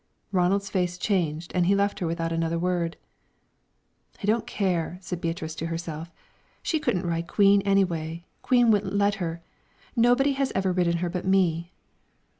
Ronald's face changed and he left her without another word. "I don't care," said Beatrice to herself; "she couldn't ride Queen anyway. Queen wouldn't let her nobody has ever ridden her but me."